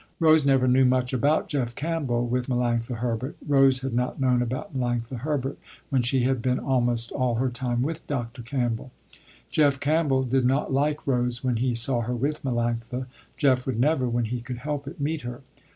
Rose never knew much about Jeff Campbell with Melanctha Herbert. Rose had not known about Melanctha Herbert when she had been almost all her time with Dr. Campbell. Jeff Campbell did not like Rose when he saw her with Melanctha. Jeff would never, when he could help it, meet her.